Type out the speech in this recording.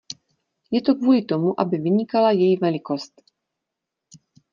Je to kvůli tomu, aby vynikala její velikost.